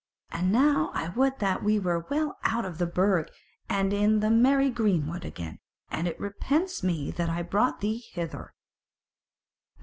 And now I would that we were well out of the Burg and in the merry greenwood again, and it repents me that I brought thee hither."